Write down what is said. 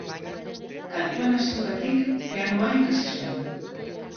Kantuan hasi aurretik, pianoa ikasi zuen.